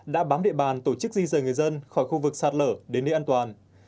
đã bám địa bàn tổ chức di rời người dân khỏi khu vực sạt lở đến nơi an toàn